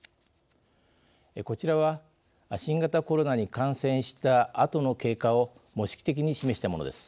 こちらは新型コロナに感染したあとの経過を模式的に示したものです。